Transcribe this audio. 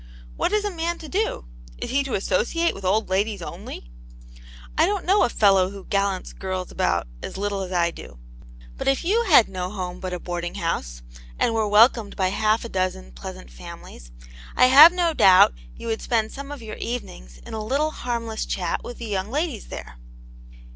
What is a man to do.^ Is he to associate with old ladies only? I don't know a fellow who gallants girls about as little as I do. But if you had no home but Aunt Jane's Hero. 5 a boarding house, and were welcomed by half a dozen pleasant families, I have no doubt you would spend some of your evenings in a little harmless chat with the young ladies there."